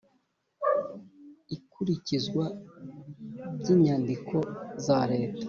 ikurikizwa by inyandiko za Leta